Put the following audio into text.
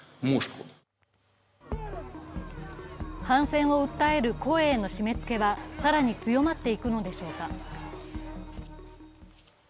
反戦を訴える声への締めつけは更に強まっていくのでしょうか。